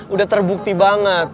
udah terbukti banget